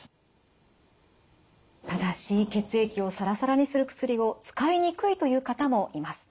ただし血液をさらさらにする薬を使いにくいという方もいます。